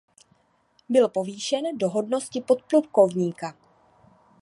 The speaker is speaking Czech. Byl povýšen do hodnosti podplukovníka.